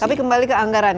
tapi kembali ke anggaran